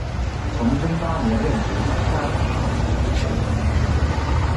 崇祯八年任直隶嘉定县知县。